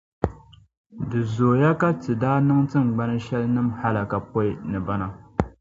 Di zooiya ka Ti daa niŋ tiŋgbani shɛli nim’ hallaka pɔi ni bana